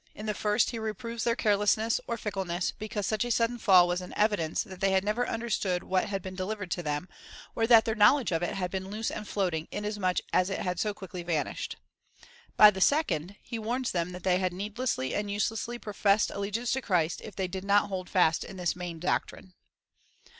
In the first, he reproves their carelessness or fickleness, because such a sudden fall was an evidence that they had never understood what had been delivered to them, or that their knowledge of it had been loose and floating, inasmuch as it had so quickly vanished. By the second, he warns them that they had needlessly and uselessly professed allegiance to Christ, if they did not hold fast this main doctrine.